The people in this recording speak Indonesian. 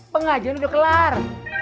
pengajian udah kelar